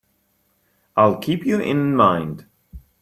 I'll keep you in mind.